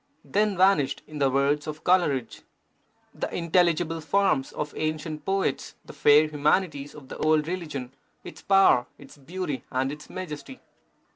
Then vanished, in the words of Coleridge, The intelligible forms of ancient poets, The fair humanities of the old religion, Its power, its beauty, and its majesty.